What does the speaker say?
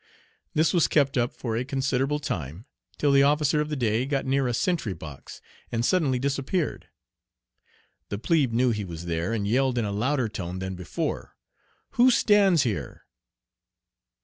This was kept up for a considerable time, till the officer of the day got near a sentry box and suddenly disappeared. The plebe knew he was there, and yelled in a louder tone than before, "Who stands here?